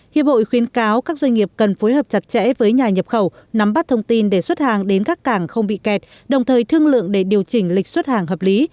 hiệp hội khuyến cáo các doanh nghiệp cần phối hợp chặt chẽ với nhà nhập khẩu nắm bắt thông tin để xuất hàng đến các cảng không bị kẹt đồng thời thương lượng để điều chỉnh lịch xuất hàng hợp lý